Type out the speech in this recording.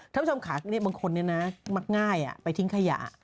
ถ้าเพื่อนชมขาบังคลนี้นะมักง่ายไปทิ้งขยะ